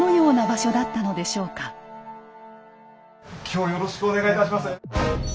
今日よろしくお願いいたします。